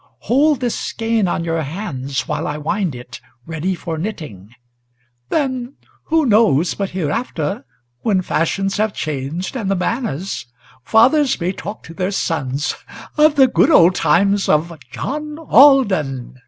Hold this skein on your hands, while I wind it, ready for knitting; Then who knows but hereafter, when fashions have changed and the manners, Fathers may talk to their sons of the good old times of John Alden!"